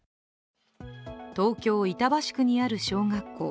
東京・板橋区にある小学校。